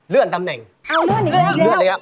เลื่อนตำแหน่งเลื่อนอะไรอีก